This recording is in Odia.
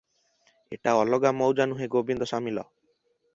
ଏଟା ଅଲଗା ମୌଜା ନୁହେଁ, ଗୋବିନ୍ଦ ସାମିଲ ।